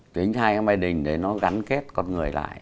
chính hai cái mái đình để nó gắn kết con người lại